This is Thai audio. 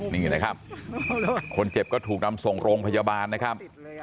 นี่นะครับคนเจ็บก็ถูกนำส่งโรงพยาบาลนะครับ